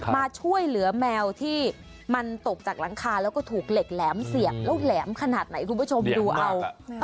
มาช่วยเหลือแมวที่มันตกจากหลังคาแล้วก็ถูกเหล็กแหลมเสียบแล้วแหลมขนาดไหนคุณผู้ชมดูเอา